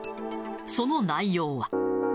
その内容は。